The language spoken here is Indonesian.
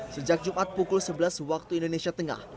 sejak jumat pukul sebelas waktu indonesia tengah